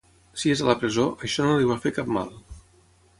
Si és a la presó, això no li va fer cap mal.